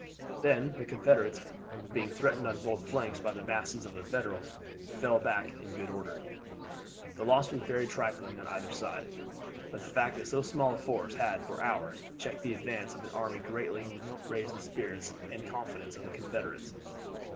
Then the Confederates, being threatened on both flanks by the masses of the Federals, fell back in good order. The loss was very trifling on either side, but the fact that so small a force had for hours checked the advance of an army greatly raised the spirits and confidence of the Confederates.